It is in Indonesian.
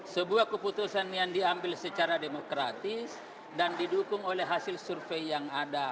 sebuah keputusan yang diambil secara demokratis dan didukung oleh hasil survei yang ada